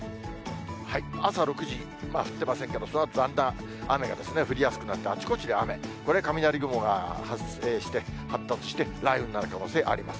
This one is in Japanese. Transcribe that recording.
朝６時、降ってませんけど、そのあと、だんだん雨が降りやすくなって、あちこちで雨、これ、雷雲が発生して、発達して、雷雨になる可能性あります。